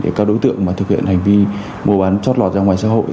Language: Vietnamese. để các đối tượng thực hiện hành vi mua bán chót lọt ra ngoài xã hội